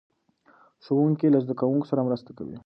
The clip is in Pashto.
ښوونکي له زده کوونکو سره مرسته کوي.